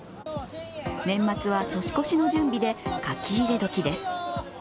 年末は年越しの準備で書き入れ時です。